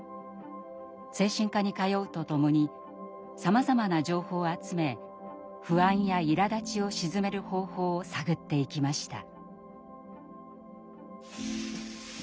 精神科に通うとともにさまざまな情報を集め不安やいらだちをしずめる方法を探っていきました。